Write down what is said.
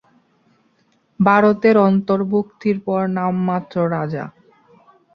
ভারতের অন্তর্ভুক্তির পর নামমাত্র রাজা